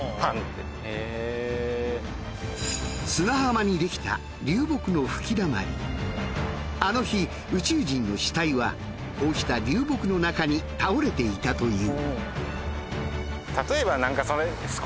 砂浜にできたあの日宇宙人の死体はこうした流木の中に倒れていたという。